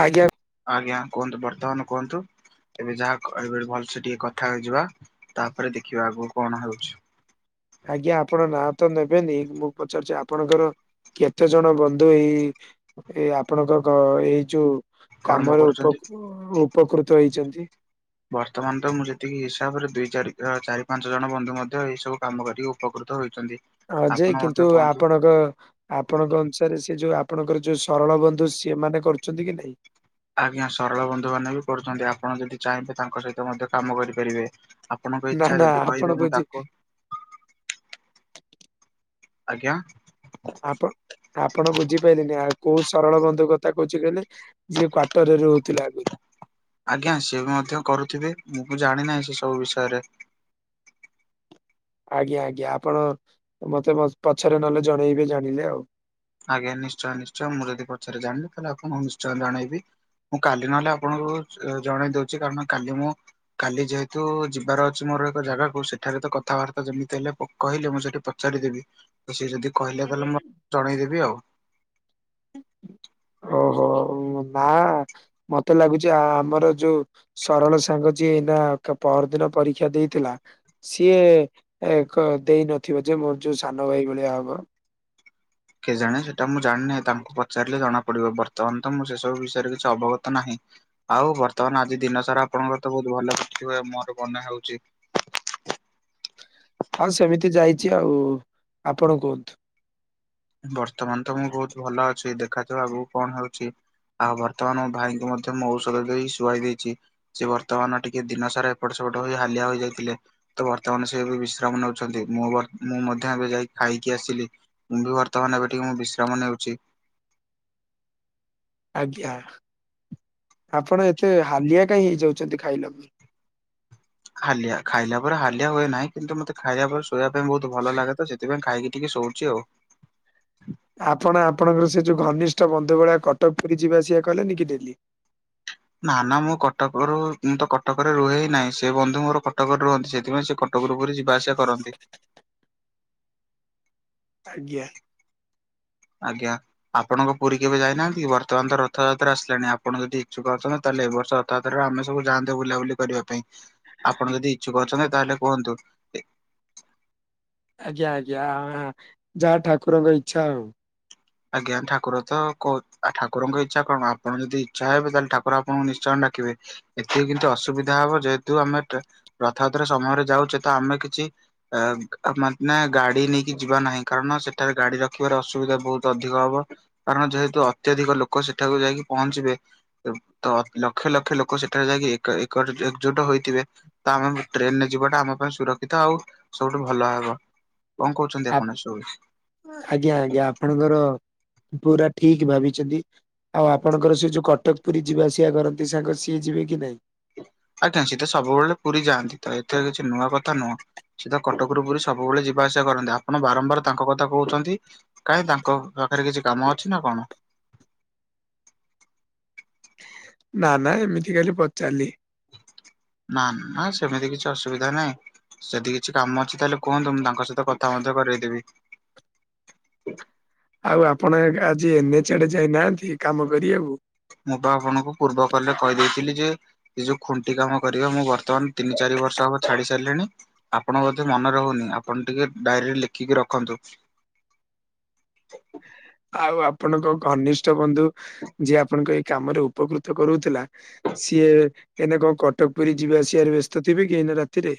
High. ଆଜ୍ଞା କୁହନ୍ତୁ ବର୍ତ୍ତମାନ କୁହନ୍ତୁ। ଏବେ ଯାହା କହିବେ ଭଲସେ ଟିକେ କଥା ହେଇଯିବା ତାପରେ ଦେଖିବା ଆଗକୁ କଣ ହଉଛି। ଆଜ୍ଞା ଆପଣ ନାଁ ତ ନେବେନି ମୁଁ ପଚାରୁଛି ଆପଣଙ୍କର କେତେ ଜଣ ବନ୍ଧୁ ଏଇ ଏ ଆପଣଙ୍କ ଏଇ ଯୋଉ କର୍ମ କାମରେ ଉପ କରୁଛନ୍ତି। ଉପକୃତ ହେଇଛନ୍ତି। ବର୍ତ୍ତମାନ ତ ମୁଁ ଯେତିକି ହିସାବରେ ଦୁଇ ଚାରି ଚାରି ପାଞ୍ଚ ଜଣ ବନ୍ଧୁ ମଧ୍ୟ ଏଇ ସବୁ କାମ କରିକି ଉପକୃତ ହୋଇଛନ୍ତି। ହଁ ଯେ ଆପଣ ମଧ୍ୟ କିନ୍ତୁ କୁହନ୍ତୁ। ଆପଣଙ୍କ ଆପଣଙ୍କ ଅନୁସାରେ ସେ ଯୋଉ ଆପଣଙ୍କର ଯୋଉ ସରଳ ବନ୍ଧୁ ସେମାନେ କରୁଛନ୍ତି କି ନାଇଁ? ଆଜ୍ଞା ସରଳ ବନ୍ଧୁମାନେ ବି କରୁଛନ୍ତି ଆପଣ ଯଦି ଚାହିଁବେ ତାଙ୍କ ସହିତ ମଧ୍ୟ କାମ କରିପାରିବେ। ଆପଣଙ୍କ ନା ଇଛା ନା ଯଦି ଆପଣ କହିବେ ମୁଁ ବୁଝି ତାଙ୍କୁ ଆଜ୍ଞା। ଆପଣ ଆପଣ ବୁଝିପାଇଲେନି ଆଉ କୋଉ ସରଳ ବନ୍ଧୁ କଥା କହୁଛି କହିଲେ। ଯିଏ କ୍ଵାର୍ଟରରେ ରହୁଥିଲା ଆଗରୁ। ଆଜ୍ଞା ସିଏ ବି ମଧ୍ୟ କରୁଥିବେ ମୁଁ ବି ଜାଣିନାହିଁ ସେ ସବୁ ବିଷୟରେ। ଆଜ୍ଞା ଆଜ୍ଞା ଆପଣ ମତେ ପଛରେ ନହେଲେ ଜଣେଇବେ ଜାଣିଲେ ଆଉ। ଆଜ୍ଞା ନିଶ୍ଚୟ ନିଶ୍ଚୟ ମୁଁ ଯଦି ପଛରେ ଜାଣିଲି ତାହେଲେ ଆପଣଙ୍କୁ ନିଶ୍ଚୟ ଜଣେଇିବି। ମୁଁ କାଲି ନହେଲେ ଆପଣଙ୍କୁ ଜଣେଇ ଦଉଛି କାରଣ କାଲି ମୁଁ କାଲି ଯେହେତୁ ଯିବାର ଅଛି ମୋର ଏକ ଜାଗାକୁ ସେଠାରେ ତ କଥାବାର୍ତ୍ତା ଯେମିତି ହେଲେ କହିଲେ ମୁଁ ସେଠି ପଚାରିଦେବି ସେଏ ଯଦି କହିଲେ ତାହେଲେ ମୁଁ ଜଣେଇଦେବି ଆଉ। ଓହୋ ଓ ନା ମତେ ଲାଗୁଛି ଆମର ଯୋଉ ସରଳ ସାଙ୍ଗ ଯିଏ ଏଇନା ପର ଦିନ ପରୀକ୍ଷା ଦେଇଥିଲା। ସିଏ କ ଦେଇନଥିବ ଯେ ମୋର ଯୋଉ ସାନ ଭାଇ ଭଳିଆ ହବ। କେ ଜାଣେ ସେଟା ମୁଁ ଜାଣିିନାହିଁ ତାଙ୍କୁ ପଚାରିଲେ ଜଣା ପଡିବ ବର୍ତ୍ତମାନ ତ ମୁଁ ସେ ସବୁ ବିଷୟରେ କିଛି ଅବଗତ ନାହିଁ। ଆଉ ବର୍ତ୍ତମାନ ଆଜି ଦିନ ସାରା ଆପଣଙ୍କର ତ ବହୁତ ଭଲ କଟିଥିବ ମୋର ମନେ ହଉଛି। ହଁ ସେମିତି ଯାଇଛି ଆଉ ଆପଣ କୁହନ୍ତୁ? ବର୍ତ୍ତମାନ ତ ମୁଁ ବହୁତ ଭଲ ଅଛି ଦେଖାଯାଉ ଆଗକୁ କଣ ହଉଛି। ଆଉ ବର୍ତ୍ତମାନ ମୋ ଭାଇଙ୍କୁ ମଧ୍ୟ ମୁଁ ଔଷଧ ଦେଇ ଶୁଆଇ ଦେଇଛି। ସେ ବର୍ତ୍ତମାନ ଟିକେ ଦିନ ସାରା ଏପଟ ସେପଟ ହୋଇ ହାଲିଆ ହୋଇଯାଇଥିଲେ। ତ ବର୍ତ୍ତମାନ ସେ ବି ବିଶ୍ରାମ ନେଉଛନ୍ତି ମୁଁ ମୁଁ ମଧ୍ୟ ଏବେ ଯାଇକି ଖାଇକି ଆସିଲି ମୁଁ ବି ବର୍ତ୍ତମାନ ଏବେ ଟିକେ ମୁଁ ବିଶ୍ରାମ ନେଉଛି। ଆଜ୍ଞା ଆପଣ ଏତେ ହାଲିଆ କାହିଁ ହେଇଯାଉଛନ୍ତି ଖାଆଇଲା କୁ? ହାଲିଆ ଖାଇଲା ପରେ ହାଲିଆ ହୁଏ ନାହିଁ କିନ୍ତୁ ମତେ ଖାଇଲା ପରେ ଶୋଇବା ପାଇଁ ବହୁତ ଭଲ ଲାଗେ ତ ସେ ସେଥିପାଇ ଖାଇକି ଟିକେ ଶୋଉଛି ଆଉ। ଆପଣ ଆପଣଙ୍କର ସେ ଯୋଉ ଘନିଷ୍ଠ ବନ୍ଧୁ ଭଳିଆ କଟକ ପୁରୀ ଯିବା ଆସିବା କଲେନି କି ଡେଲି। ନା ନା ମୁଁ କଟକରୁ ମୁଁ ତ କଟକରେ ରୁହେ ନାହିଁ ସେ ବନ୍ଧୁ ମୋର କଟକରେ ରୁହନ୍ତି ସେ ସେଥିପାଇଁ ସେ କଟକରୁ ପୁରୀ ଯିବାଆସିବା କରନ୍ତି। ଆଜ୍ଞା। ଆଜ୍ଞା। ଆପଣଙ୍କ ପୁରୀ କେବେ ଯାଇନାହାନ୍ତି ବର୍ତ୍ତମାନ ତ ରଥଯାତ୍ରା ଆସିଲାଣି ଆପଣ ଯଦି ଇଛୁକ ଅଛନ୍ତି ତାହେଲେ ଏ ବର୍ଷ ତାଦ୍ଵରରେ ଆମେ ସବୁ ଯାଆନ୍ତେ ବୁଲାବୁଲି କରିବା ପାଇଁ। ଆପଣ ଯଦି ଇଚ୍ଛୁକ ଅଛନ୍ତି ତାହେଲେ କୁହନ୍ତୁ। ଆଜ୍ଞା ଆଜ୍ଞା ଯାହା ଠାକୁରଙ୍କ ଇଚ୍ଛା ଆଉ। ଆଜ୍ଞା ଠାକୁର ତ ଠାକୁରଙ୍କ ଇଚ୍ଛା କଣ ଆପଣ ଯଦି ଇଛା ହେବେ ତାହେଲେ ଠାକୁର ଆପଣଙ୍କୁ ନିଶ୍ଚୟ ଡାକିବେ। ଏତିକି କିନ୍ତୁ ଅସୁବିଧା ହବ ଯେହେତୁ ଆମେ ରଥଯାତ୍ରା ସମୟରେ ଯାଉଛେ ତ ଆମେ କିଛି ଏ ମାନେ ନା ଗାଡି ନେଇକି ଯିବା ନାହିଁ। କାରଣ ସେଠାରେ ଗାଡି ରଖିବାର ଅସୁବିଧା ବହୁତୁ। ଅଧିକ ହବ କାରଣ ଯେହେତୁ ଅତ୍ୟଧିକ ଲୋକ ସେଠାକୁ ଯାଇକି ପହଞ୍ଚିବେ ତ ଲକ୍ଷ ଲକ୍ଷ ଲୋକ ସେଠାରେ ଯାଇକି ଏକ ଏକଜୁଟ ହୋଇଥିବେ। ତ ଆମେ ଟ୍ରେନରେ ଯିବାଟା ଆମ ପାଇଁ ସୁରକ୍ଷିତ ଆଉ ସବୁଠୁ ଭଲ ହବ। କଣ କହୁଛନ୍ତି ଆପଣ ସ ଆଜ୍ଞା ଆଜ୍ଞା ଆପଣଙ୍କର ପୁରା ଠିକ ଭାବିଛନ୍ତି। ଆଉ ଆପଣଙ୍କର ସେ ଯୋଉ କଟକ ପୁରୀ ଯିବା ଆସିବା କରନ୍ତି ସାଙ୍ଗ ସିଏ ଯିବେ କି ନାଇଁ? ଆଜ୍ଞା ସିଏତ ସବୁବେଳେ ପୁରୀ ଯାଆନ୍ତି ତ ଏଥିରେ କିଛି ନୂଆ କଥା ନୁହଁ। ସେତ କଟକରୁ ପୁରୀ ସବୁବେଳେ ଯିବା ଆସିବା କରନ୍ତି। ଆପଣ ବାରମ୍ବାର ତାଙ୍କ କଥା କହୁଛନ୍ତି। କାହିଁ ତାଙ୍କ ପାଖରେ କିଛି କାମ ଅଛି ନା କଣ? ନା ନା ଏମିତି ଖାଲି ପଚାରିଲି। ନା ନା ସେମିତି କିଛି ଅସୁବିଧା ନାହିଁ। ଯଦି କିଛି କାମ ଅଛି ତାହେଲେ କୁହନ୍ତୁ ମୁଁ ତାଙ୍କ ସହିତ କଥା ମଧ୍ୟ କରଇଦେବି। ଆଉ ଆପଣ ଆଜି ଏନେଚ ଆଡେ ଯାଇନାହାନ୍ତି କାମ କରିବାକୁ। ମୁଁ ତ ଆପଣଙ୍କୁ ପୂର୍ବ କଲେ କହିଦେଇଥିଲି ଯେ ଏ ଯୋଉ ଖୁଣ୍ଟି କାମ କରିବ ମୁଁ ବର୍ତ୍ତମାନ ତିନି ଚାରି ବର୍ଷ ହବ ଛାଡି ସାରିଲିଣି। ଆପଣଙ୍କ ବଧେ ମନେ ରହୁନି ଆପଣ ଟିକେ ଡାଏରୀରେ ଲେଖିକି ରଖନ୍ତୁ। ଆଉ ଆପଣଙ୍କ ଘନିଷ୍ଠ ବନ୍ଧୁ ଯିଏ ଆପଣଙ୍କ ଏଇ କାମରେ ଉପକୃତ କରୁଥିଲା। ସିଏ ଏଇନେ କଣ କଟକ ପୁରୀ ଯିବା ଆସିବାରେ ବ୍ୟସ୍ତ ଥିବେ କି ଏଇନେ ରାତିରେ।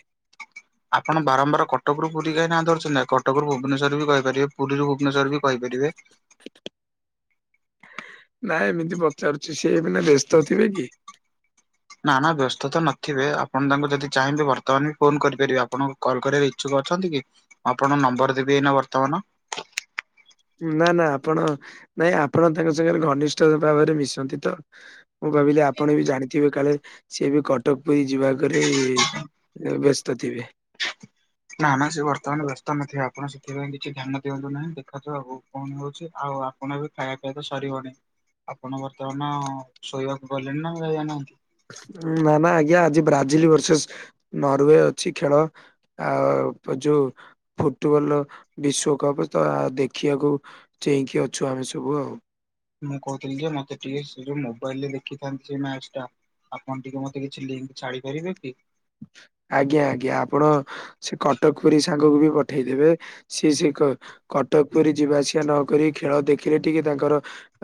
ଆପଣ ବାରମ୍ବାର କଟକ ରୁ ପୁରୀ କାହିଁ ନାଁ ଧରିଛନ୍ତି କଟକ ରୁ ଭୁବନେଶ୍ୱର ବି କହିପାରିବେ। ପୁରୀରୁ ଭୁବନେଶ୍ୱର ବି କହିପାରିବେ। ନାଇଁ ଏମିତି ପଚାରୁଛି ସିଏ ଏକିନା ବ୍ୟସ୍ତ ଥିବେ କି? ନା ନା ବ୍ୟସ୍ତତା ନଥିବେ ଆପଣ ତାଙ୍କୁ ଯଦି ଚାହିଁବେ ବର୍ତ୍ତମାନ ବି ଫୋନ କରିପାରିବେ ଆପଣ କଲ୍ କରିବାର ଇଚ୍ଛୁକ ଅଛନ୍ତି କି ମୁଁ ଆପଣଙ୍କ ନମ୍ବର ଦେବି ଏଇନା ବର୍ତ୍ତମାନ। ନା ନା ଆପଣ ନାଇଁ ଆପଣ ତାଙ୍କ ସାଙ୍ଗରେ ଘନିଷ୍ଠ ଭାବରେ ମିଶନ୍ତି ତ। ମୁଁ କବିଲି ଆପଣ ବି ଜାଣି ଥିବେ କାଳେ ସିଏ ବି କଟକ ପୁରୀ ଯିବାକରେ ବ୍ୟସ୍ତ ଥିବେ। ନା ନା ସେ ବର୍ତ୍ତମାନ ବ୍ୟସ୍ତ ନଥିବେ ଆପଣ ସେଥିପାଇଁ କିଛି ଧ୍ୟାନ ଦିଅନ୍ତୁ ନାହିଁ ଦେଖନ୍ତୁ କଣ ହଉଛି ଆଉ ଆପଣ ବି ଖାଇବା ଖାଇବା ତ ସରିବନି? ଆପଣ ବର୍ତ୍ତମାନ ଶୋଇବାକୁ ଗଲେଣି ନା ଯାୟା ନାହାନ୍ତି। ନା ନା ଆଜ୍ଞା ଆଜି ବ୍ରାଜିଲ ବର୍ଷେସେ ନରୱେ ଅଛି ଖେଳ। ଆଉ ପୋଯୁ ଫୁଟବଲ ବିଶ୍ୱ କପ୍ ତ ଦେଖିବାକୁ ଚେଇକି ଅଛୁ ଆମେ ସବୁ ଆଉ। ମୁଁ କହୁଥିଲି ଯେ ମୋତେ ଟିକେ ସେ ଯୋଉ ମୋବାଇଲ ରେ ଦେଖିଥାନ୍ତି ସେ ମ୍ୟାଚ ଟା। ଆପଣ ଟିକେ ମତେ କିଛି ଲିଙ୍କ ଛାଡି ପାରିବେ କି? ଆଜ୍ଞା ଆଜ୍ଞା ଆପଣ ସେ କଟକ ପୁରୀ ସାଙ୍ଗକୁ ବି ପଠେଇଦେବେ ସିଏ ସେ କ୍ କଟକ ପୁରି ଯିବାଆସିବା ନକରି ଖେଳ ଦେଖିଲେ ଟିକେ ତାଙ୍କର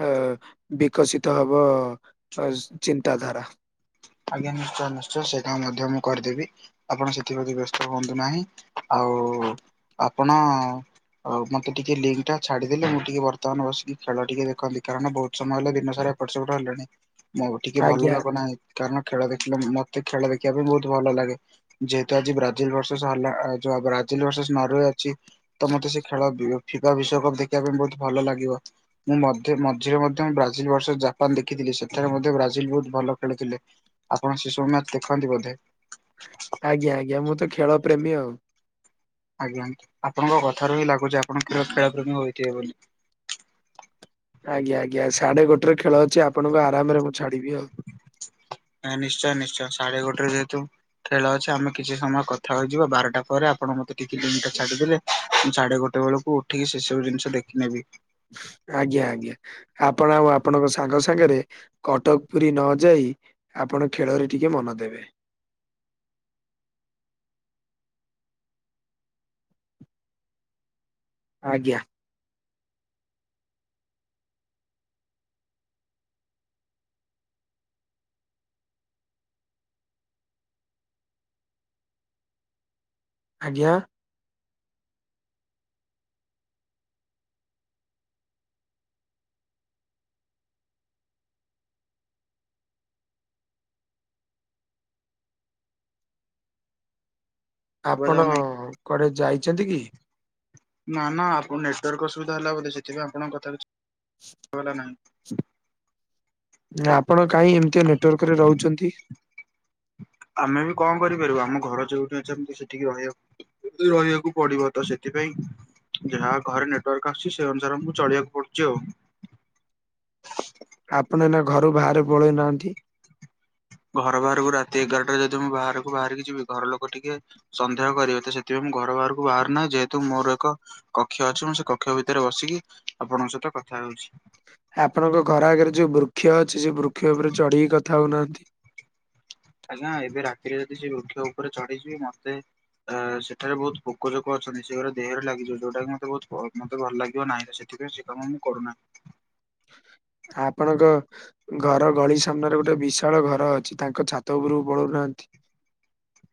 ଅ ବିକଶିତ ହବ ଚିନ୍ତାଧାରା। ଆଜ୍ଞା ନିଶ୍ଚୟ ନିଶ୍ଚୟ ସେଟା ମଧ୍ୟ ମୁଁ କରିଦେବି। ଆପଣ ସେଥିପ୍ରତି ବ୍ୟସ୍ତ ହୁଅନ୍ତୁ ନାହିଁ। ଆଉ-ଉ-ଉ-ଉ ଆପଣ ଆଉ ମତେ ଟିକେ ଲିଙ୍କ୍ ଟା ଛାଡିଦେଲେ ମୁଁ ଟିକେ ବର୍ତ୍ତମାନ ବସିକି ଖେଳ ଟିକେ ଦେଖନ୍ତି। କାରଣ ବହୁତ ସମୟ ହେଲା ଦିନ ସାରା ଏପଟେ ସେପଟେ ହେଲଣି। ମୁଁ ବି ଟିକେ ଭଲ ଆଜ୍ଞା ଲାଗୁ ନାହିଁ। କାରଣ ଖେଳ ଦେଖିଲେ, ମତେ ଖେଳ ଦେଖିବା ପାଇଁ ବହୁତ ଭଲ ଲାଗେ। ଯେହେତୁ ଆଜି ବ୍ରାଜିଲ ବର୍ଷ ସା ହେଲା ଆ [unintelligible] ଚିଲ ଭରସେସ୍ ନରର୍ୱେ ଅଛି ତ ମତେ ସେ ଖେଳ ଫିଫା ବିଶ୍ଵକପ ଦେଖିବା ପାଇଁ ବହୁତ ଭଲ ଲାଗିବ। ମୁଁ ମଧ୍ୟ ମଝିରେ ମଧ୍ୟ ମୁ ବ୍ରାଜିଲ ବରସେସ୍ ଜାପାନ ଦେଖିଥିଲି ସେଠାରେ ମଧ୍ୟ ବ୍ରାଜିଲ ବହୁତ ଭଲ ଖେଳିଥିଲେ। ଆପଣ ସେ ସବୁ ମ୍ୟାଚ୍ ଦେଖନ୍ତି ବୋଧେ? ଆଜ୍ଞା ଆଜ୍ଞା, ମୁଁ ତ ଖେଳ ପ୍ରେମୀ ଆଉ। ଆଜ୍ଞା ଆପଣଙ୍କ କଥାରୁ ହିଁ ଲାଗୁଛି ଆପଣ ଖେଳ ପ୍ରେମୀ ହୋଇଥିବେ ବୋଲି। ଆଜ୍ଞା ଆଜ୍ଞା, ସାଢେ ଗୋଟେରେ ଖେଳ ଅଛି ଆପଣଙ୍କୁ ଆରାମରେ ମୁଁ ଛାଡିବି ଆଉ। ଆ ନିଶ୍ଚୟ ନିଶ୍ଚୟ ସାଢେ ଗୋଟେରେ ଯେହେତୁ ଖେଳ ଅଛି ଆମେ କିଛି ସମୟ କଥା ହୋଇଯିବା। ବାରଟା ପରେ ଆପଣ ମତେ ଟିକେ ଲିଙ୍କଟା ଛାଡିଦେଲେ ମୁଁ ସାଢେ ଗୋଟେ ବେଳକୁ ଉଠିକି ସେ ସବୁ ଜିନିଷ ଦେଖିନେବି। ଆଜ୍ଞା ଆଜ୍ଞା। ଆପଣ ଆଉ ଆପଣଙ୍କ ସାଙ୍ଗ ସାଙ୍ଗରେ କଟକ ପୁରୀ ନ ଯାଇ ଆପଣ ଖେଳରେ ଟିକେ ମନ ଦେବେ। ଆଜ୍ଞା। ଆଜ୍ଞା, ଶୁଭାଯାଉନାହିଁ? ଆପଣ-ଅ-ଅ କୁଆଡେ ଯାଇଛନ୍ତି କି? ନା ନା ଆପଣ ନେଟୱାର୍କ ଅସୁବିଧା ହେଲା ବୋଲି ସେଥିପାଇଁ ଆପଣଙ୍କ କଥା କିଛି ଶୁଭାଗଲା ନାହିଁ। ଆପଣ କାଇ ଏମିତିଆ ନେଟୱାର୍କରେ ରହୁଛନ୍ତି। ଆମେ ବି କଣ କରିପାରିବୁ ଆମ ଘର ଯୋଉଠି ଅଛନ୍ତି ସେଠିକି ରହିବା ରହିବାକୁ ପଡିବ ତ ସେଥିପାଇଁ ଯାହା ଘରେ ନେଟୱାର୍କ ଆସୁଛି ସେ ଅନୁସାରେ ଆମକୁ ଚଳିବାକୁ ପଡୁଛି ଆଉ। ଆପଣ ଏ ନା ଘରୁ ବାହାରେ ପଳେଇ ନାହାନ୍ତି। ଘର ବାହାରକୁ ରାତି ଏଗାରଟା ଯଦି ମୁଁ ବାହାରକୁ ବାହାରିକି ଯିବି ଘର ଲୋକ ଟିକେ ସନ୍ଦେହ କରିବେ ତ ସେଥିପାଇଁ ମୁଁ ଘର ବାହାରକୁ ବାହାରୁ ନାହିଁ ଯେହେତୁ ମୋର ଏକ କକ୍ଷ ଅଛି ମୁ ସେ କକ୍ଷ ଭିତରେ ବସିକି ଆପଣଙ୍କ ସହିତ କଥା ହଉଛି। ଆପଣଙ୍କ ଘର ଆଗରେ ଯୋଉ ବୃକ୍ଷ ଅଛି, ସେ ବୃକ୍ଷ ଉପରେ ଚଢିକି କଥା ହଉନାହାନ୍ତି। ଆଜ୍ଞା ଏବେ ରାତିରେ ଯଦି ସେ ବୃକ୍ଷ ଉପରେ ଚଢିଯିଵି ମତେ ଅ-ଅ-ଅ ସେଠାରେ ବହୁତ ପୋକ ଯୋକ ଅଛନ୍ତି। ସେଗୁରା ଦେହରେ ଲାଗିଯିବ ଯୋଉଟା କି ମତେ ବହୁତ ପ ମତେ ଭଲ ଲାଗିବ ନାହିଁ। ସେ ଠିକ ଅଛି କାମ ମୁଁ କରୁନା। ଆପଣଙ୍କ ଘର ଗଳି ସାମ୍ନାରେ ଗୋଟେ ବିଶାଳ ଘର ଅଛି। ତାଙ୍କ ଛାତ ଉପରକୁ ପଳଉନାହାନ୍ତି।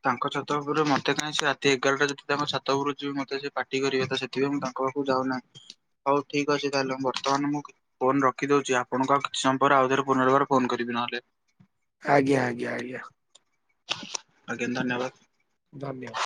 ତାଙ୍କ ଛାତ ଉପରକୁ ମତେ କାଇ ସିଏ ରାତି ଏଗାରଟା ଯଦି ତାଙ୍କ ଛାତ ଉପରକୁ ଯିବି ମତେ ସେ ପାଟି କରିବେ ସେ ଥିପାଇଁ ମୁଁ ତାଙ୍କ ପାଖକୁ ଯାଉନାହିଁ। ହଉ ଠିକ୍ ଅଛି ତାହେଲେ ମ ବର୍ତ୍ତମାନ ମୁଁ ଫୋନ ରଖିଦଉଛି ଆପଣଙ୍କୁ ଆଉ କିଛି ସମୟ ପରେ ଆଉଥରେ ପୁନର୍ବାର ଫୋନ କରିବି ନହେଲେ। ଆଜ୍ଞା ଆଜ୍ଞା ଆଜ୍ଞା। ଆଜ୍ଞା ଧନ୍ୟବାଦ। ଧନ୍ୟବାଦ।